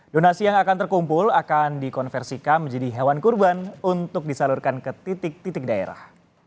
donasi yang akan terkumpul akan dikonversikan menjadi hewan kurban untuk disalurkan ke titik titik daerah